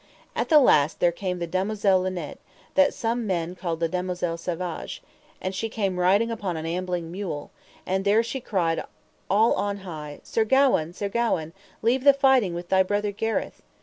At the last there came the damosel Linet, that some men called the damosel Savage, and she came riding upon an ambling mule; and there she cried all on high, Sir Gawaine, Sir Gawaine, leave thy fighting with thy brother Sir Gareth.